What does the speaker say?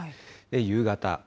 夕方。